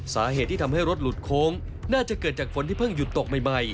สาเหตุที่ทำให้รถหลุดโค้งน่าจะเกิดจากฝนที่เพิ่งหยุดตกใหม่